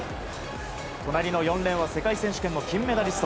隣の４レーンは世界選手権の金メダリスト。